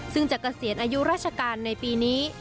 ซึ่งจะเกษียณอายุราชการในปีนี้